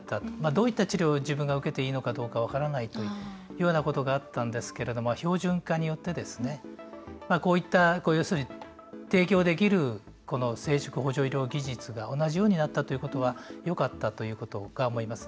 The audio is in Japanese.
どういった治療を自分が受けたらいいか分からないというようなことがあったんですけど標準化によってこういった提供できる生殖医療技術が同じようになったということはよかったと思います。